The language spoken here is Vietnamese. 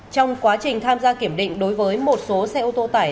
trong quá trình tham gia kiểm định đối với một số xe ô tô tải